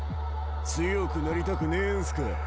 強くなりたくねえんすか？